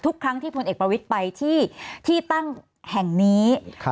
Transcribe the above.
ทุกครั้งที่พลเอกประวิทย์ไปที่ที่ตั้งแห่งนี้